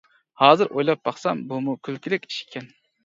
ھازىر ئويلاپ باقسام بۇمۇ كۈلكىلىك ئىش ئىكەن.